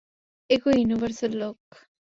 একই ইউনিভার্সের লোক।